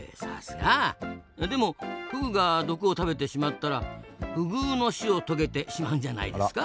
でもフグが毒を食べてしまったらフグうの死を遂げてしまうんじゃないですか？